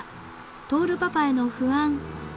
亨パパへの不安］